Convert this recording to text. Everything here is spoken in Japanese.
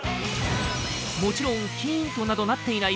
もちろんキーンとなどなっていない